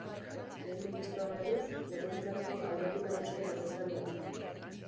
Lehen Ministroa, berriz, legebiltzarreko alderdi nagusiaren ordezkaria da.